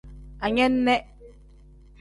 Anene.